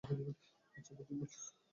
আচ্ছা, বুদ্ধিমান।